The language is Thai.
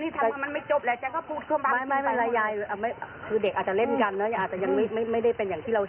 ไม่ได้เป็นอย่างที่เราเห็นก็ได้เนอะ